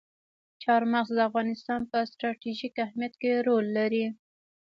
چار مغز د افغانستان په ستراتیژیک اهمیت کې رول لري.